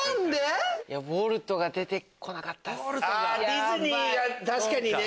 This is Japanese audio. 「ディズニー」は確かにね。